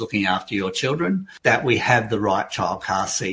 sehingga kita memiliki tempat penyelamatan anak anak